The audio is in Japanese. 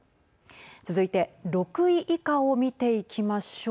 続いて６位以下を見ていきましょう。